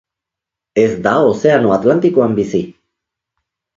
Ez da Ozeano Atlantikoan bizi.